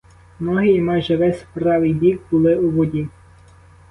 Ноги і майже весь правий бік були у воді.